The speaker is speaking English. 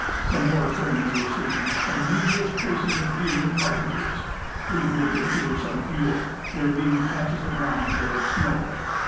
Some more cranes were seen, and numerous traces of deer and partridges. We here procured some fuel, there being patches of ground bare of snow.